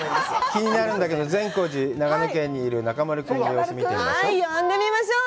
気になるんだけど、善光寺、長野県にいる中丸君の様子を見てみましょう。